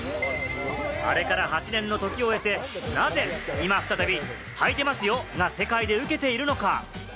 あれから８年のときを経て、なぜ今、再び「はいてますよ！」が世界でウケているのか？